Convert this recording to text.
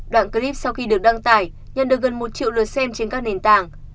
đoạn clip sau khi được đăng tải nhận được gần một triệu lượt xem trên các nền tảng